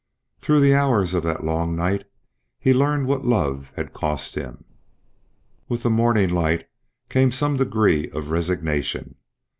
Through the hours of that long night he learned what love had cost him. With the morning light came some degree of resignation.